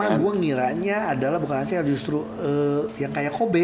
pertama gue ngiranya adalah bukan acel justru yang kayak kobe